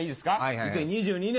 ２０２２年。